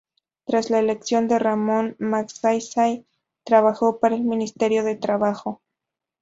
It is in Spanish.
Tras la elección de Ramon Magsaysay trabajo para el Ministerio de Trabajo.